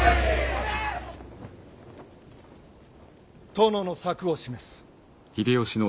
殿の策を示す。